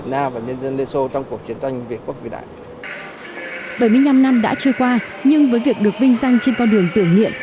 bảy mươi năm năm đã trôi qua nhưng với việc được vinh danh trên con đường tưởng niệm